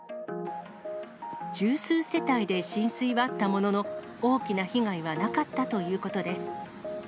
十数世帯で浸水はあったものの、大きな被害はなかったということです。